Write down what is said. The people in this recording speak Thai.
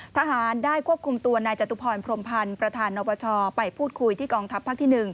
ทหารได้ควบคุมตัวนายจตุพรพรมพันธ์ประธานนปชไปพูดคุยที่กองทัพภาคที่๑